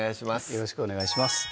よろしくお願いします